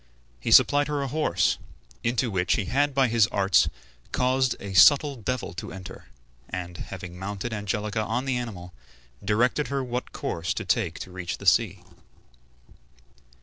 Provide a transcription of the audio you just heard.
He supplied her a horse, into which he had by his arts caused a subtle devil to enter, and, having mounted Angelica on the animal, directed her what course to take to reach the sea.